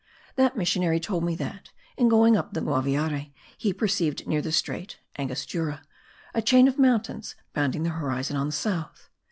That missionary told me that, in going up the Guaviare, he perceived near the strait (angostura) a chain of mountains bounding the horizon on the south.